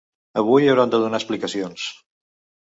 Avui hauran de donar explicacions.